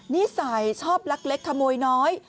นิสัยชอบลักเล็กขโมยน้อย